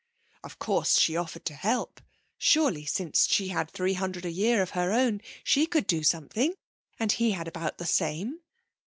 Of course she offered to help; surely since she had three hundred a year of her own she could do something, and he had about the same....